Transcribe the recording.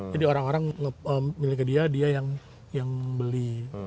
jadi orang orang miliki dia dia yang beli